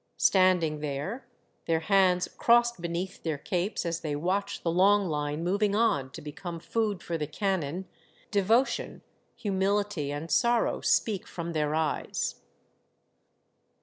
Standing there, their hands crossed beneath their capes as they watch the long line moving on to become food for the cannon, devotion, humility, and sorrow speak from their eyes.